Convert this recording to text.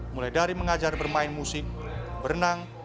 mulai dari mengajar bermain musik berenang